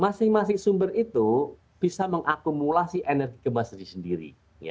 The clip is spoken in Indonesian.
masing masing sumber itu bisa mengakumulasi energi gempa sendiri sendiri